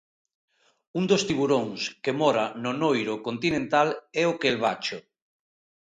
Un dos tiburóns que mora no noiro continental é o quelvacho.